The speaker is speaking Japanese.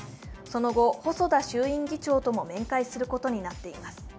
その後、細田衆院議長とも面会することになっています。